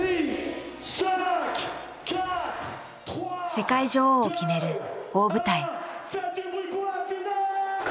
世界女王を決める大舞台。